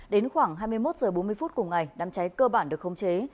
đến khoảng hai mươi một h bốn mươi phút cùng ngày đám cháy cơ bản được không chế